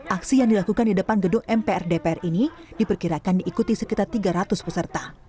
aksi yang dilakukan di depan gedung mpr dpr ini diperkirakan diikuti sekitar tiga ratus peserta